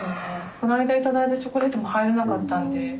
この間頂いたチョコレートも入らなかったんで。